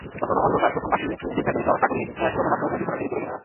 তখনো অন্ধকার, প্রথম পাখির দ্বিধাজড়িত কাকলি শোনবামাত্র ও বিছানা ছেড়ে চলে গেল।